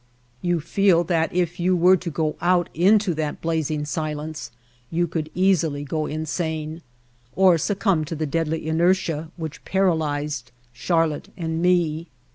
You feel that if you were to go out into that blazing silence you could easily go insane, or succumb to the deadly inertia which paralyzed Charlotte and me.